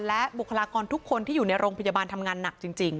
และบุคลากรทุกคนที่อยู่ในโรงพยาบาลทำงานหนักจริง